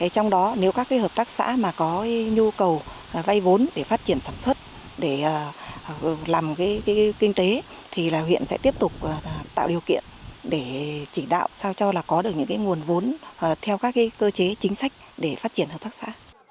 trong đó nếu các hợp tác xã có nhu cầu vay vốn để phát triển sản xuất để làm kinh tế thì huyện sẽ tiếp tục tạo điều kiện để chỉ đạo sao cho có được những nguồn vốn theo các cơ chế chính sách để phát triển hợp tác xã